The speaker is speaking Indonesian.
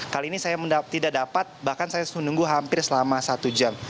kali ini saya tidak dapat bahkan saya menunggu hampir selama satu jam